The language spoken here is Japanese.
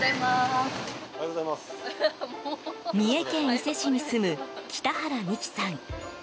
三重県伊勢市に住む北原美希さん。